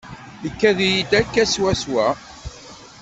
Ikad-iyi-d akka swaswa.